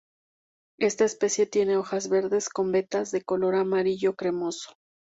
Esta especie tiene hojas verdes con vetas de color amarillo cremoso.